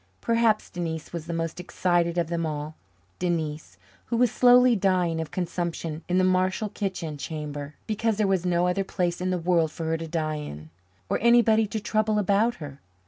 Perhaps Denise was the most excited of them all Denise, who was slowly dying of consumption in the Marshall kitchen chamber because there was no other place in the world for her to die in, or anybody to trouble about her.